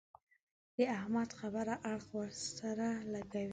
د احمد خبره اړخ ور سره لګوي.